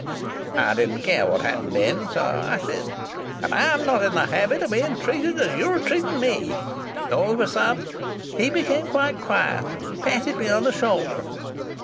"I didn't care what happened then, so I said: "'And I'm not in the habit of being treated as you're treating me.' "All of a sudden he became quite quiet, and patted me on the shoulder.